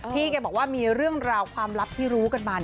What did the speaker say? แกบอกว่ามีเรื่องราวความลับที่รู้กันมา